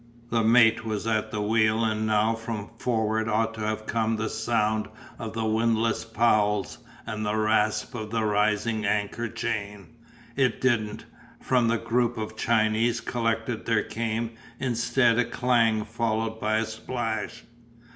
The mate was at the wheel and now from forward ought to have come the sound of the windlass pawls and the rasp of the rising anchor chain. It didn't. From the group of Chinese collected there came, instead, a clang followed by a splash.